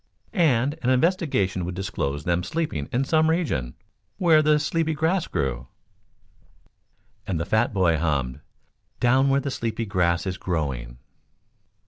"And an investigation would disclose them sleeping in some region, where the sleepy grass grew And the fat boy hummed: "Down where the sleepy grass is growing."